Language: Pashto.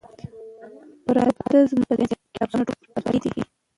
پراتۀ زمونږ پۀ ذهن کښې لفظونه ټول پردي دي